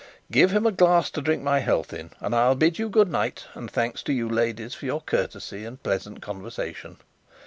"Give him a glass to drink my health in; and I'll bid you good night, and thanks to you, ladies, for your courtesy and pleasant conversation."